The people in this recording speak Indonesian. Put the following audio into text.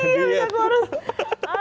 iya bisa kurus